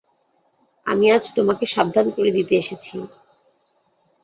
আমি আজ তোমাকে সাবধান করে দিতে এসেছি।